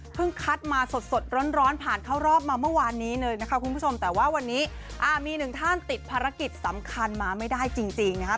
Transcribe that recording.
คัดมาสดร้อนผ่านเข้ารอบมาเมื่อวานนี้เลยนะคะคุณผู้ชมแต่ว่าวันนี้มีหนึ่งท่านติดภารกิจสำคัญมาไม่ได้จริงนะครับ